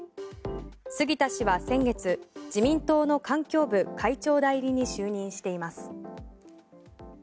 杉田氏は先月自民党の環境部会長代理に就任しています。